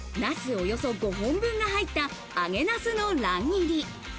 さらに、なす、およそ５本分が入った、揚げなすの乱切り。